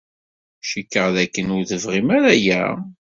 Cikkeɣ dakken ur tebɣim ara aya.